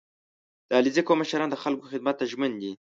• د علیزي قوم مشران د خلکو خدمت ته ژمن دي.